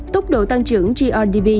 tốc độ tăng trưởng grdb